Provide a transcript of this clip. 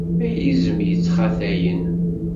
Am yizem yettxatalen.